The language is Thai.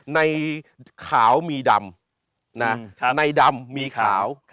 ในขาวมีดำนะในดำมีขาว